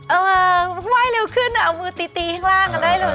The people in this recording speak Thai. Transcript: เออไหว้เร็วขึ้นเอามือตีข้างล่าง